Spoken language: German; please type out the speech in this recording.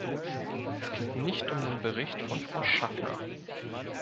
Es geht nicht um den Bericht von Frau Schaffner.